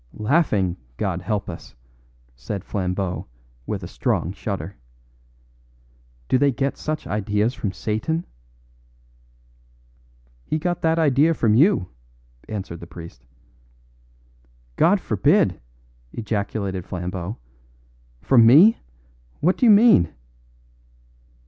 "Laughing, God help us!" said Flambeau with a strong shudder. "Do they get such ideas from Satan?" "He got that idea from you," answered the priest. "God forbid!" ejaculated Flambeau. "From me! What do you mean!"